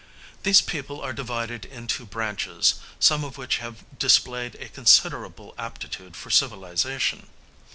These people are divided into branches, some of which have displayed a considerable aptitude for civilization.